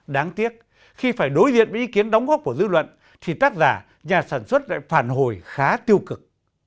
đáng tiếc khi phải đối diện với ý kiến đóng góp của dư luận thì tác giả nhà sản xuất lại phản hồi khá tiêu cực